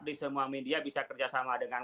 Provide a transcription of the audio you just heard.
di semua media bisa kerjasama dengan